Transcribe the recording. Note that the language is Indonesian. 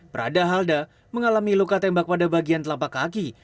prada halda mengalami luka tembak pada bagian telapak kaki